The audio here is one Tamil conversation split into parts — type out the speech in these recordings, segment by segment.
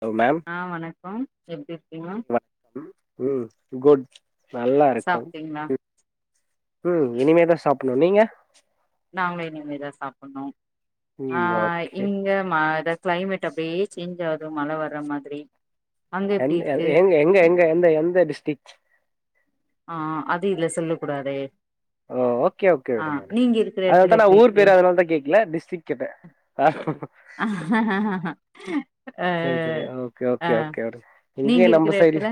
ஹலோ மேம் ஆ வணக்கம் எப்டி இருக்கீங்க மேம் ம் குட் நல்லாருக்கும் சாப்ட்டீங்களா ம் ம் இனிமேதா சாப்புணு நீங்க நாங்களு இனிமேதா சாப்புட்ணு ஆ ம் ஓகே இங்க ம இத கிளைமேட் அப்டியே சேஞ்ச் ஆகு மழ வர்ற மாதிரி அங்க எப்டி எந்த இருக்கு எங்க எங்க எங்க எந்த எந்த டிஸ்டிக்ட் ஆ அது இல்ல சொல்ல கூடாதே ஒ ஓகே ஓகே ஆ விடுங்க விடுங்க நீங்க இருக்கிற எடத்துல அதனாலதா நா எப்டி ஊர் பேர அதனாலதா கேக்ல டிஸ்டிக் கேட்ட ஆஹஹ்ஹஹஹ செரி செரி ஓகே ஓகே ஓகே விடுங்க நீங்க இங்கயு நம்ப இருக்கிற சைட்ல எடத்துல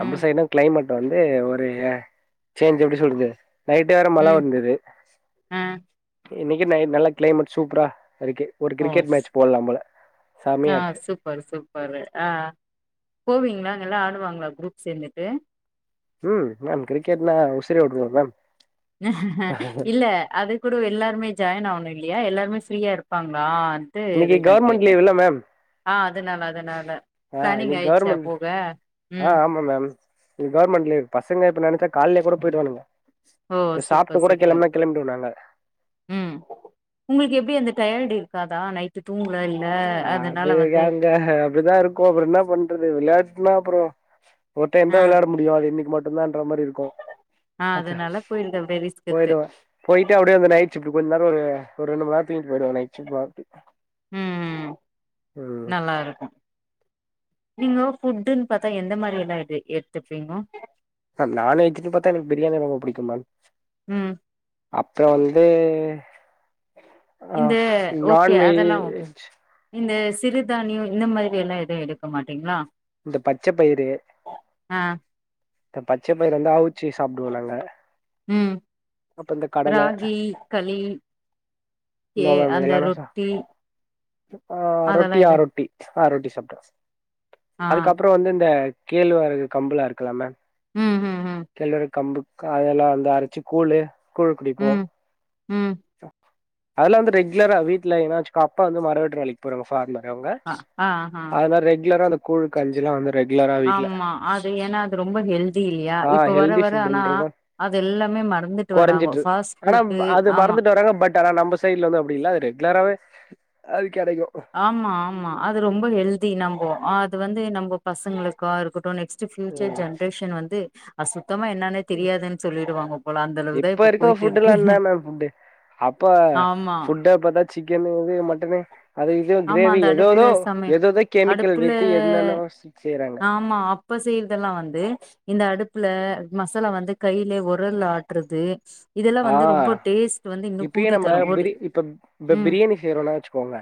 நம்ப ம் சைட்ல கிளைமேட் வந்து ஒரு அ சேஞ்ச் எப்டி சொல்றது நைட் வேற மழ ம் வந்தது ஆ இன்னிக்கு நைட் நல்ல கிளைமேட் சூப்பரா ஒரு கிர் கிரிக்கெட் மேட்ச் போட்லா போல அ சம்மையாருக் சூப்பர் சூப்பரு அ போவீல்ங்களா அங்கல்லா ஆடுவாங்களா குரூப் சேந்துட்டு ம் மேம் கிரிக்கெட்னா உசுரே உட்ருவோ மேம் இல்ல அது கூடு எல்லாருமே ஜாயின் ஆவனு இல்லையா எல்லாருமே ஃப்ரீயா இருப்பாங்களா இன்னிக்கு கவர்மெண்ட் லீவ்ல்ல மேம் ஆ அதனால அதனால அ பிளானிங் இன்னிக்கு ஆயிடுச்சா கவர்மெண்ட் போக அ ம் ஆமா மேம் இது கவர்மெண்ட் லீவ் பசங்க இப்ப நெனச்சா கால்லே கூட போயிடுவானுங்க ஒ இப்ப சாப்ட்டு சூப்பர் கூட சூப்பர் கெளம்புனா கெளம்பிடுவோ நாங்க ம் உங்களுக்கு எப்டி அந்த டயர்டு இருக்காதா நைட்டு தூங் அ அது அங்க அப்டிதாருக்கு அப்றோ இன்னா பண்றது விளையாட்னா அப்புறோ ஒரு ஆ டைம்தா வெளாட முடியு அது இன்னிக்கு மட்டுந்தா அந் தமாரி இருக்கு ஆ அத்த அதனால போயிருது அப்படியே ரிஸ்க் எடுத்து போயிடுவோ போயிட்டு அப்டியே அந்த நைட் சிஃப்டு கொஞ் நேரோ ஒரு ஒரு ரெண்டு மண் நேரத்துக்கு தூங்கிட்டு போயிடுவாங்க நைட் சிஃப்டு மாத்தி ம் நல்லாருக்கும் நீங்க ஃபுட்டுன் பாத்தா எந்த மாரி எல்லா எடு எடுத்துப்பீங்கோ அ நான்வெஜ்ன்னு பாத்தா எனக்கு பிரியாணி ரொம்ப புடிக்கும் மேம் ம் அப்புறோ வந்து ஆ இந்த ஓகே அதெல்லா ஓக் நான்வெஜ் இந்த சிறுதானியோ இந்த மாரி எல்லா எதுவு எடுக்க மாட்டீங்ளா இந்த பச்சபயிறு அ இந்த பச்சபயிறு இருந்தா அவுச்சி சாப்டுவோ நாங்க ம் அப்ப இந்த கடல ராகி களி ஏ அந்த ரொட்டி அ அதெல்லா ரொட்டியா எது ரொட்டி அ ரொட்டி சாப்ட்ட ஆ அதுக்கப்புறோ வந்து இந்த கேழ்வரகு கம்புலாருக்கல மேம் ம் ம் ம் கேழ்வரக்கம்பு கா அதையெல்லா வந்து அரச்சி கூழு கூழ் குடிப்போ ம் ம் அதெல்லா வந்து ரெகுலரா வீட்டுல ஏதாச்சு அப்பா வந்து மரோ வெட்ற வேலைக்கு போறாங்க ஃபார்ல ரௌங்க அ ஆ ஆ அதனால ரெகுலரா அந்த கூழ்கஞ்சி எல்லா வந்து ரெகுலரா வீட்டுல ஆமா அது ஏன்னா அது ரொம்ப ஹெல்தி இல்லியா இப்ப வர வர ஆனா அத எல்லாமே மறந்துட்டு வராங்கோ கொறஞ்சிட்டு ஆனா ஃபாஸ்புட்டு அது மறந்துட்டு வராங்க பட் ஆனா நம்ப சைட்ல வந்து அப்டி இல்ல அது ரெகுலராவே அது கெடைக்கு ஆமா ஆமா அது ரொம்ப ஹெல்தி நம்போ அது வந்து நம்போ பசங்களுக்காருக்கட் அப்றோ நெக்ஸ்ட்டு ஃபியூச்சர் ம் ஜென்ரேஷன் வந்து அசுத் தமா என்னான்னே தெரியாதுன் சொல்லிடுவாங்க போல அந்த அளவுதா இப்ப இருக்க போயிட்டு ஃபுட்டு்லா இருக்கு என்ன மேம் ஃபுட்டு அப்ப ஆமா ஃபுட்ட பாத்தா சிக்கன்னு எது மட் டனே அது இது ஆமா கிரேவி அந்த அடுப்புல எதோதோ சமை எதோதோ கெமிக்கல் அடுப்புல வித்து என்னன்னவோ செய்றாங்க இப்ப செய்றதெல்லா வந்து இந்த அடுப்புல மசாலா வந்து கை இல்ல வொரல்ல ஆட்ரது இது எல்லா ஆ வந்து ரொம்ப டேஸ்ட் வ இப்பயே நம்ப பிரி இப்ப இப்ப ம் பிரியணி செய்றோனாச் போங்க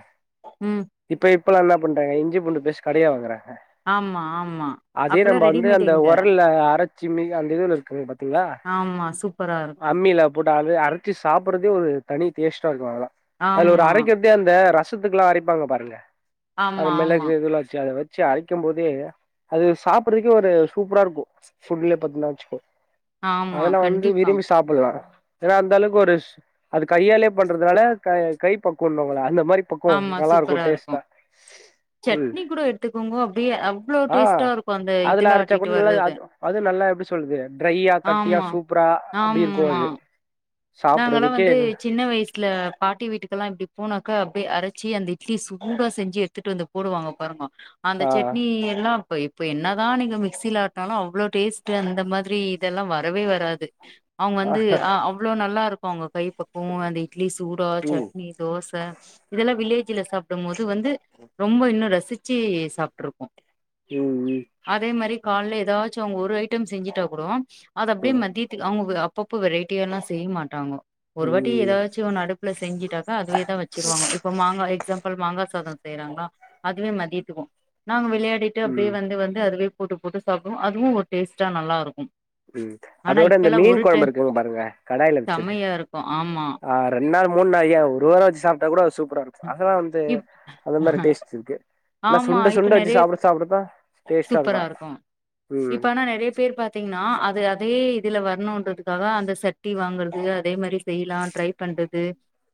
ம் இப்ப இப்பெல்லா என்ன பண்றாங்க இஞ்சி பூண்டுபேஸ்ட் கடயா வாங்குறா அ ஆமா ஆமா அதே அப்பல்லா நம்ப வந்து ரெடிமேட் அந்த எங்க வொரல்ல அரைச்சு மிக அந்த இது இருக்கு பத் த்தீங்ளா ஆமா சூப்பரா இருக்கு அம்மில போட் அது அரைச்சு சாப்டுறதே ஒரு தனி டேஸ்ட்டா இருக்கு, அல அதஒரு ஆமா அரைக்கிறதே அந்த ரஸ் ரசத்துக்கு எல்லா அரைப்பாங்க பாருங்க அந்த ஆமா ஆமா மெளகு இதுலா வச்சி அத வச் சி அரைக்குபோதே அது சாப்பறதுக்கே ஒரு சூப்பரா இருக்கு ஃபுட்ல பாத்தீன்னா வச்சுக்கோ ஆமா அதெல்லா வந்து கண்டிப்பா விரும்பி சாப்புல்லா ஏன்னா அந்த அளவுக்கு ஒரு சு அது கையாலயே பண்றதுனால கை பக்குவண்ணுவாங்களே இந்த மாரி பக்குவ ஆமா நல்லா இருக்கு சூப்பரா டேஸ்டா சட்னி கூட எடுத்துக்கோங்க அப்டியே அவ்ளோ ஆ டேஸ்ட்டா இருக்கு அந்த அதுல இதுல அரைச்சா ஆட்டிட்டு கூட நல்லா வர்றது அது அது நல்லா எப்டி சொல்லுது ட்ரையா கட்டியா ஆமா சூப்பரா அப்டி இருக்கு ஆமா அது நாங்கல்லா சாப்டுறதுக் வந்து சின்ன வயசுல பாட்டி வீட்டுக்கெல்லா இப்டி போனாக்கா அப்டி அரச்சி அந்த இட்லி சூடா செஞ்சு எடுத்துட்டு வந்து போடுவாங்க பாருங்க அந்த ஆ சட்னி எல்லா ப்ப இப்ப என்னாதா நீங்க மிக்சில ஆட்னாலு அவ்ளொ டேஸ்டு அந்த மாதிரி இதெல்லா வரவே வராது. அவுங் ஆ வந்து அ அவ்ளொ நல்லா ருக்கு அவுங்க கை பக்குவொ அந்த இட்லி சூடா ம் சட்னி தோச இதெல்லா வில்லே சில சாப்டும்பொது வந்து ரொம்ப இன்னும் ரசிச்சு சாப்டுட்ருபோ ம் அதே மரி கால்ல ஏதாச் ச்சொ அவங் ஒரு ஐட்டம் செஞ்சுட்டா கூடொ அத அப்டியே மதியத்க் அவங்க அப்பப்ப வெரைட்டி எல்லா செய் மாட்டாங்கொ. ஒரு வாட்டி ம் ம் ஏதாச்சு ஒன்னு அடுப்புல செஞ்சுட்டாக்கா அதுவேதா வச்சிருவாங்க இப்ப மாங்கா எக்ஸாம்பிள் மாங்கா சாத செய்றாங்களா அதுவே மதியத்துவோ நாங்க வெளையாடிட்டு ம் அப்டியே வந்து வந்து அதுவே போட்டு போட்டு சாப்டுவோ அதுவு ஒரு டேஸ்ட்டா நல்லாருக்கும் ம் அதோட இந்த மீன் கொழம்புருக்குங் பாருங்க கடாயில சர் செம்மையா இருக்கு ஆமா ஆ ரெண்நாள் மூண்நாலேயெ ஒரு வார சாப்டா கூட சூப் ப்டாருக் அதெலா வந்து இப் அந்த மெரி டேஸ்ட் இருக்கு ல்லா ஆமா சுண்ட இப்ப சுண்ட வெச்சு நெறைய சாப்ட சாப்டதா டேஸ்டாருக்கு. இப்பனா நெறைய பேர் பாத்தீங்னா அது அதே இதில வர்ணுன்றதுக்காக அந்த சட்டி வாங்கறது அதே மெரி செய்யலா ட்ரை பண்றது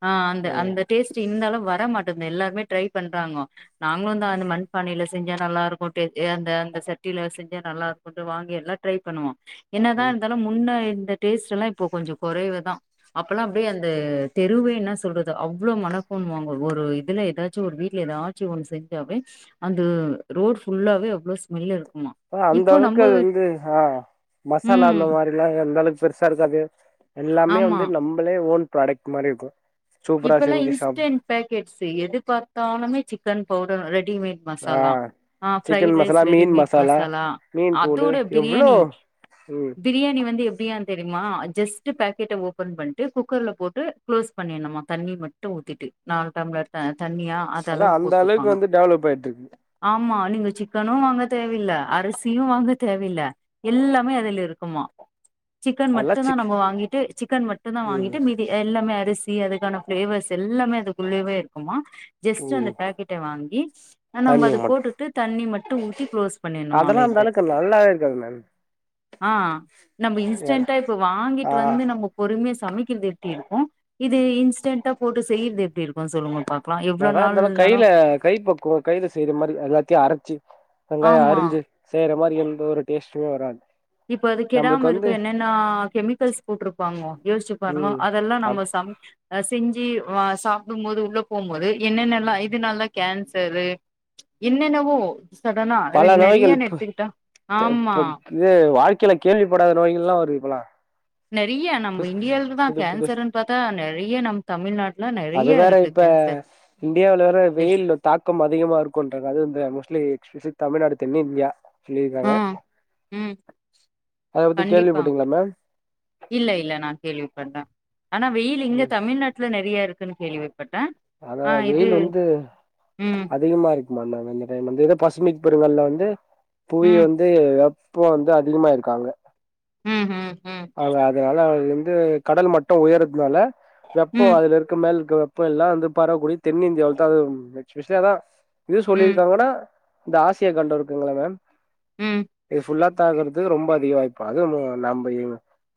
ஆ அந்த ம் அந்த டேஸ்ட் இந்தாலு வரமாட் ட்ருந்த எல்லாருமே ட்ரை பண்றாங்கொ நாங்ளுந்தா அந்த மண்பானையில செஞ்சா நல்லாருக்கு டே அந்த அந்த சட்டி டில செஞ்சா நல்லாருக்குன்னு வாங்கி எல்லா ட்ரை பண்ணுவொ ம் என்னதார்ந்தாலு முன்ன இந்த டேஸ்ட் எல்லா இப் ப்போ கொஞ்சோ குறைவு தா அப்பெல்லா அப்டியே அந்த தெருவே என்ன சொல்றது அவ்ளோ மனக் பொண்வாங்க ஒரு இதுல ஏதாச்சு ஒரு வீட்ல ஏதாச்சு ஒன்னு செஞ்சாவே அந்த ரோட் ஃபுல்லாவே எவ்ளோ ஸ்மெல்ருக் அ அந்த அளவுக்கு அது வந்து ஆ மசாலா ம் அந்த மாரிலா எந்த அளச் பெருசாருக்காது எல்லாமே ஆமா வந்து நம்பளே ஓன் ப்ராடக்ட் மாரிருக்கு இப்பல்லா இன்ஸ்டென்ட் பேக்கெட்ஸ் எது பாத்தாலுமே சிக்கன் பவுடர் ரெட் டிமேட் ஆ மசாலா. ஆ ஃப்ரை சிக்கன் ரைஸ் மசாலா மீன் ரெடிமேட் மசாலா மீன் அது தூளு உடு எவ்ளோ பிரியெணி ம் பிரியாணி வந்து எப்டி அந்தக் ரிம்மா ஜஸ்ட் பேக்கெட்ட ஓபன் பண்ட்டு குக்கர்ல போட்டு க்ளோஸ் பண்ணிணுமா தண்ணி மட்டு ஊத்திட்டு நாலுடம்ளர் த தண்ணியா அத அதா அளவு அந்த அளவுக்கு போட்டுருப்பாங்க வந்து டெவலப் ஆயிட்டு இருக்கு ஆமா நீங்க சிக்கனு வாங்க தேவில்ல அருசியு வாங்க தேவில்ல எல்லாமே அதுல இருக்குமா சிக்கன் அதெல்லா மட்டுதா சிக் நம்ம வாங்கிட்டு சிக்கன் மட்டுதா ம் வாங்கிட்டு மீதி எல்லாமே அரிசி அதுக்கானப் பிளேவர்ஸ் எல்லாமே அதுக்குள்ளேவேருக்குமா ஜஸ்ட் ம் அந்த பேக்கெட்ட வாங்கி அ நம்ப தண்ணி அது மட்டு போட்டுட்டு தண்ணி மட்டு ஊத்தி கு்ளோஸ் பண்ணிணுமா ல்லா அந்தளக்கு நல்லாவே இருக்காது மேம் ஆ நம்ப இன்ஸ்டன்டா இப்ப ஆ வாங்கிட்டு வந்து நம்போ பொறுமையா ஸ் சமைக்கிறது எப்டி இருக்கூ இது இன்ஸ்டன்டா போட்டு செய்றது எப்டி இருக்கூ சொல்லுங்க பாப் ன்னாத ர்ந்தாலு கையில கை பக்குவோ கையில செய்யற மாரி எல்லாத்தையு அரச்சு வெங்காயோ ஆமா அரிஞ்சு செய்யற மாரி எந்த ஒரு டேஸ்ட்டுமே வராது இப்ப அது நம்மளுக்கு கெடாம இருக்க வந்து என்னென்னா கெமிக்கல்ஸ் போட்ருப்பாங்கோ யோச்சுப்பருங்கோ ம் அதெல்லா நம்போ அப் சா அம் அஸ் செஞ்சி வா சாப்டும் போது உள்ள போம் போது என்னென்னல்லா இதுனால கேன்சரு என்னேன்னவொ பல நோய்கள் ப தே ஆமா ப்ப இது வாழ்க் கில கேள்விபடாத நோய்களல்லா வருது இப்பல்லா நெறிய நம்ப புது இந்தியாலதா புது புது கேன்சர்ன்னு பாத்தா நெறைய நம் தமிழ்நாட்டுலா நெறைய இருக்கு அ கேன்சர் இந்தியாவுல வர பேஷன் வெயிலு தாக்கம் அதிகமா இருக்குன்றாங்க அது இந்த மோஸ்ட்லி [unintelligible] தமிழ்நாடு தென் இந்தியா சொல்லிர்காங்க ஆ ம் அத பத்தி கண்டிப்பா கேள்விப்பட்டீங்களா மேம் இல்ல இல்ல நா கேள்வி பட்ட ஆனா வெயில் இங்க ம் தமிழ்நாட்ல நெறையா இருக்குன்னு கேள்விப் அதா வெயில் வந்து ம் அதிகமா இருக்குமா மேம் இந்த டைம் வந்து ஏதோ பசுபிக் பெருங்கட்ல வந் து புவி ம் வந்து வெப்போ வந்து அதிகமா இருக்காங்க ம் ம் ம் அங்க அதனால அ இந்து கடல் மட்டோ உயரதுனால வெப்போ ம் அதுல இருக்க மேல் இருக்க வெப்போ எல்லா வந்து பரவக்கூடிய தென்னிந்தியாவுல தா அது ம் எஸ்பெஷலி அதா இது ம் சொல்லிருக்காங்கன்னா இந்த ஆசியா கண்டோ இருக்குங்கள்ல மேம் ம், இது ஃபுல்லா த் ஆகுறது ரொம்ப அதிக வாய்ப்பா அது ஊ நம்ப இ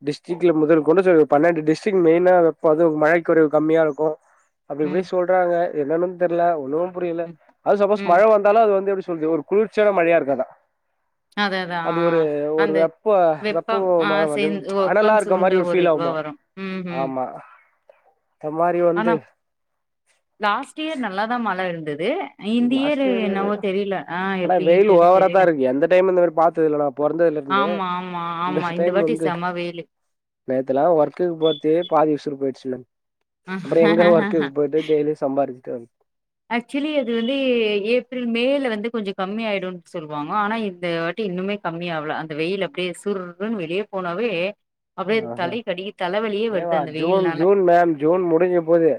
டிஸ்ட்ரிக்ட்ல முதல் கொண்டு ச பன்னெண்டு டிஸ்ட்ரிக்ட் மெயினா அது பது மழை குறைவு கம்மியா இருக்கூ ம் றாங்க என்னன்னு தெர்ல ஒன்னும் புரில ம், அது சப்போஸ் மழை ம். வந்தாலும் அது வந்து எப்புடி சொல்றது ஒரு குளிர்ச்சியான மழையா இருக்காதா அதான், அதான். அது ஆ. ஒரு ஒரு அந்த வெப்ப வெப்போ வெப்பம் ஆ மழ மாரியும் சேர்ந்து அனலா வெப்பம் இருக்க சூழ்ந்த மாரி ஒரு ஃபீல் இதுவா ஆகுமா வரும். ம்ஹ்ம். ஆமா ந்த மாரி ஆனா வந்து லாஸ்ட் இயர் நல்லா தா மழை இருந்து து இந்த இயர் என்னவோ தெரில ஆ ஆனா எப்டி வெயில் ஹீட்டுன்னு ஓவரா தா தெரில இருக்கு எந்த டைம் இந்த மாரி பாத்தது இல்ல நா பொறந்ததுல இருந்து ஆமா ஆமா ஆமா இந்த டைம் வாட்டி வந்து செம வெயிலு நேத்துலா ஒர்க்கு போற்துக்கே பாதி உசுறு போயிடுச்சு மேம் அப்புறோ எங்க வர்க்குக்கு போயிட்டு டெய்லியு சம்பாரிச்சுட்டு வர ஆக்சுவலி அது வந்து ஏப்ரல் மே ல வந்து கொஞ்சோ கம்மி ஆயிடும் சொல்வாங்க ஆனா இந்த வாட்டி இன்னுமே கம்மி ஆவல அந்த வெயில் அப்டியே சுற்றுனு வெளியே போனாவே அப்டே வந் ஆஹா தலைக் அடிக்கித் தலவலியே வருது ஏவா அந்த வெயில் ஜூன் னால ஜூன் மேம் ஜூன் முடிஞ்ச போது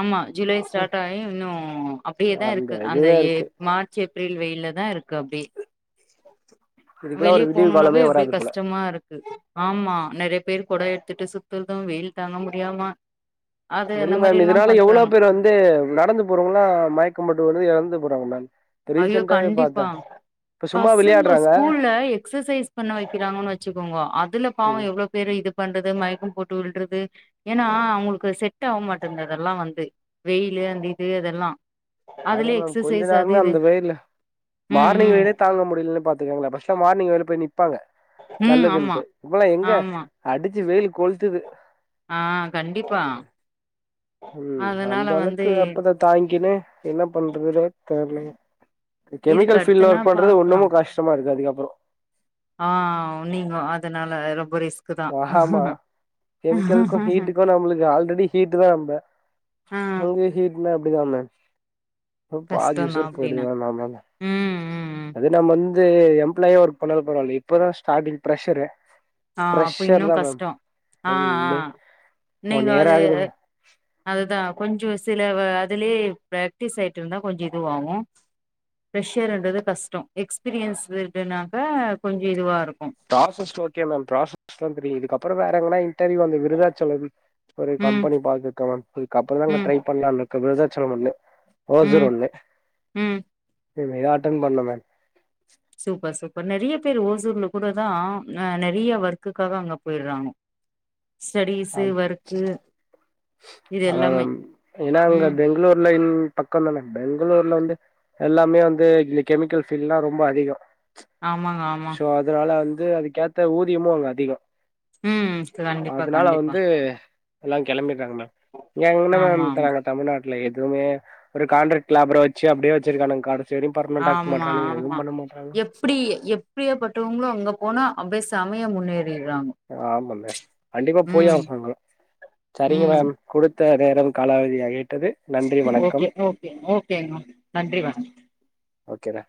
ஆமா ஜூலை ஸ்டார்ட் டைம் இன்னும் அப்டியே தா இருக்கு அந்த இதுவே இருக்கு ஏப் மார்ச் ஏப்ரல் வெயில்ல தா இருக் க்கு அப்டே இதுக்கெல்லா ஒரு வெளிய விடிவு போனுனாவே காலமே அப்டே வராது போல கஷ்டமா இருக்கு ஆமா நறைய பேர் கூட எடுத்துட்டு சுத்துறதும் வெயில் தாங்க முடியாம அது அந்த இல்ல மாரி மேம் எல்லா இதனால எவ்வளோ பண்றாங்க பேர் வந்து நடந்து போறவங்கள்லா மயக்கம் போட்டு கூட எறந்து போறாங்க மேம் இப்ப ஐயோ ரீசெண்டாவே பாத்தே கண்டிப்பா இப்ப சும்மா பசங்க விளையாடுறாங்க ஸ்கூல்ல எக்ஸசைஸ் பண்ண வைக்கிறாங்கன்னு வச்சுக்கோங்கோ அதுல பாவோ எவ்ளோ பேரு இது பண்றது மை க்கம்போட்டு விழுறது ஏன்னா அவங்களுக்கு செட் ஆவ மாட்டுந்து அதெல்லா வந்து வெயிலு அந்த இது இதெல்லா அதா மேம் கொஞ்ச நேரமே அந்த வெயிற்ல்ல ம் மார்னிங் ம் வெயிலே தாங்க முடியலனா பாத்துக்கங்க நா ஃபர்ஸ்ட்லா மார்னிங் வெயில்ல போய் நிப் நபாங்க ம் ஆமா நல்லதுன்ட்டு இப்பலா எங்க ஆமா அடிச்சு வெயிலு ஆ கண்டிப்பா ம் அதனால அந்த வந்து அளவுக்கு அப்பத்தா தாங்கின்னு என்ன பண்றதுனே தெர்லைங்க கெ இதுக்கு கெமிக்கல் ஃபீல்ட்ல அடுத்துனா ஒர்க் பண்றது பாக்கலா உன்னமு கஷ்டமா இருக்கு அதுக்கப் ப்றோ ஆ நீங்கோ அதனால எதோ அ ஆமா கெமிக்கல்க்கு ஹீட்டுக்கு நம்மளுக்கு ஆல் ரெடி ஹீட்டு தா ரொம்ப ஆ அங்கயு ஹீட்னா அப்டித்தா மேம் ம் பாதி கஷ்டந்தா உசுர போய்டுது அப்டின்னா மேம் அதனால ம் ம் ம் அது இல்லாம வந்து எம்ப்ளாயா ஒர்க் பண்ணாலு பரவால்ல இப்பதா ஸ்டார்டிங் பிரஷரு ஆ அப்ப இன்னு கஷ்டொ ஆ ஆ ம் ஒன் நீங்க இயர் அது ஆகுது அதுதா கொஞ்ச சில வ அதுலே பிராக்டீஸ் ஆயிட்ருந்தா கொஞ்ச இதுவாகு பிரஷர் என்றது கஷ்டோ எக்ஸ்பீரியன்ஸ் ஃபீல்டுனாக்க கொஞ்ச இதுவாருக் ப்ராசஸ் ஓகே மேம் ப்ராஸஸ்லா தெரியு இதுக்கப்பற வேற எங்கனா இன் டர்வியூ அந்த விருதாச்சலம் ஒரு ம் கம்பெனி பாத்துருக்கே மேம் இதுக்கு அப்பறந்தா அங்க ம் ட்ரை பண்லானு இருக்கு போதுதா ச்சலம் ஒன்னு ஓசூர் ம் ஒன்னு ம் எதுமே அட்டன் பண்ல மேம் சூப்பர் சூப்பர் நெறைய பேரு ஓசூர்ல கூட தா அ நெறைய ஒர்க்குக்காக அங்க போய்ட்றாங்க ஸ்டெடீஸ்சு ஒர்க்கு இது அதா எல்லாமே மேம் ஏனா அங்க ம் பெங்ளூர்லயும் பக்கோ தானே பெங்களூர்ல வந்து எல்லாமே வந்து இந்த கெமிக்கல் ஃபீல்டுல்லா ரொம்ப அதிக ஆமாங்க ஆமா து அதுக்கு ஏத்த ஊதியமு அங்க அதிக ம் கண்டிப்பா அதுனால கண்டிப்பா வந்து எல்லா கெளம்பிட்டாங்க மேம் எங்கன மேம் ஆமா ஆமா போறாங்க தமிழ்நாட் ல்ல எதுவுமே ஒரு கான்ட்ரக்ட் லேபர வச்சு அப்டியே வச்சிருக்கானுங் கடை ஆமா ஆமா எப்டி எப் பிரியப்பட்டவ்ங்களு அங்க போனா அப்டியே செமைய முன்னேறி அ ஆமங்க கண்டிப்பா போயே ம் ஆகணு அங்க சரிங்க ம் மேம் குடுத்த நேரம் காலாவதியாகிவிட்டது நன்றி ஓகே வணக்கம் ஓகே ஓகேங்க நன்றி வணக் ஓகேதா